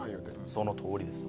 そのとおりですわ。